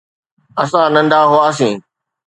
اسان ننڍا هئاسين.